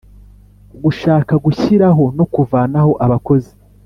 Gushaka gushyiraho no kuvanaho abakozi